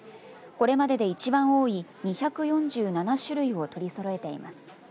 これまでで一番多い２４７種類を取りそろえています。